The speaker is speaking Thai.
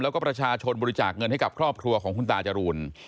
แล้วก็ประชาชนบริจาคเงินให้กับครอบครัวของคุณตาจรูน